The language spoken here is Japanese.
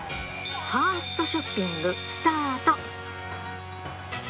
ファーストショッピングスタート！